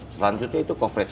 selanjutnya itu coverage